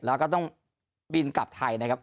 แล้วก็ต้องบินกลับไทยนะครับ